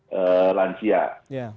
dua itu kan pejabat pengelola